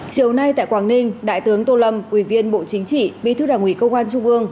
chiều nay tại quảng ninh đại tướng tô lâm ủy viên bộ chính trị bí thư đảng ủy công an trung ương